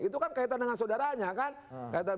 itu kan kaitan dengan saudaranya kan